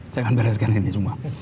saya akan bereskan ini semua